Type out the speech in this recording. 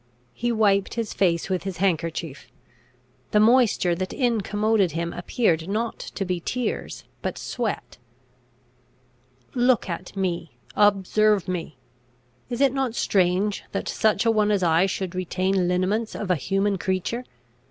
He wiped his face with his handkerchief. The moisture that incommoded him appeared not to be tears, but sweat. "Look at me. Observe me. Is it not strange that such a one as I should retain lineaments of a human creature?